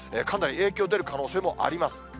かなり影響出る可能性もあります。